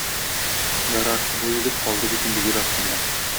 Ярар, бу егет калды бит инде җир астында.